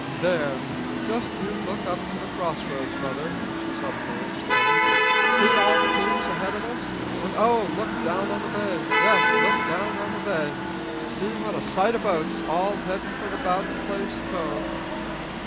There, just you look up to the crossroads, mother," she suddenly exclaimed. "See all the teams ahead of us. And, oh, look down on the bay; yes, look down on the bay! See what a sight o' boats, all headin' for the Bowden place cove!"